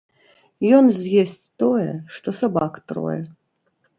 Ён з'есць тое, што сабак трое.